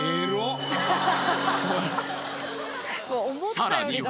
［さらには］